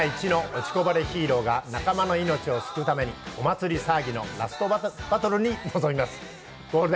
銀河一の落ちこぼれヒーローが仲間の命を救うために、お祭り騒ぎのラストバトルに臨みます。